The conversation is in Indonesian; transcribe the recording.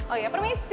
oh ya permisi